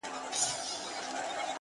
چي مي بایللی و، وه هغه کس ته ودرېدم ،